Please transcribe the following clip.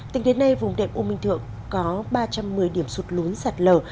tính đến nay vùng đệm u minh thượng có ba trăm một mươi điểm sụt lún sạt lở